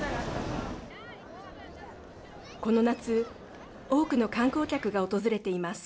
この夏多くの観光客が訪れています。